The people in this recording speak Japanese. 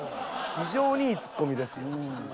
非常にいいツッコミですよ。